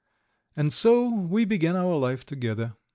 And so we began our life together.